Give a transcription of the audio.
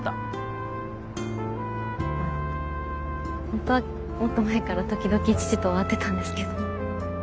本当はもっと前から時々父とは会ってたんですけど。